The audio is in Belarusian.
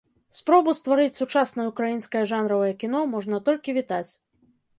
Спробу стварыць сучаснае ўкраінскае жанравае кіно можна толькі вітаць.